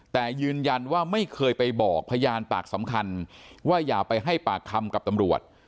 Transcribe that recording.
แต่ยืนยันว่าไม่เคยไปบอกพยานปากสำคัญว่าอย่าไปให้ปากคำกับตำรวจ